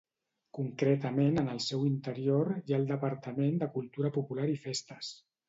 Concretament en el seu interior hi ha el departament de cultura popular i festes.